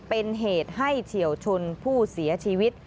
เป็นเหตุให้เฉียวชนผู้เสียชีวิต